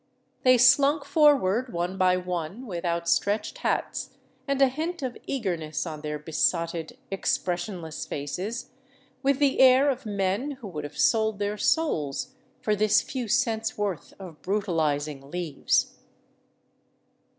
They slunk forward one by one, with out stretched hats, and a hint of eagerness on their besotted, expressionless faces, with the air of men who would have sold their souls for this few cents' worth of brutalizing leaves.